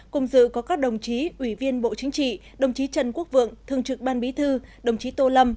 cùng dự có các đồng chí ủy viên bộ chính trị đồng chí trần quốc vượng thường trực ban bí thư đồng chí tô lâm